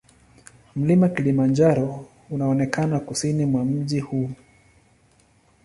Mlima Kilimanjaro unaonekana kusini mwa mji huu.